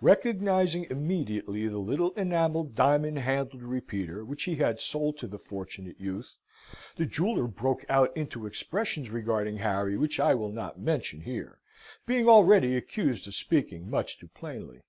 Recognising immediately the little enamelled diamond handled repeater which he had sold to the Fortunate Youth, the jeweller broke out into expressions regarding Harry which I will not mention here, being already accused of speaking much too plainly.